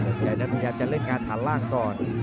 พยายามจะเล่นงานฐานล่างก่อน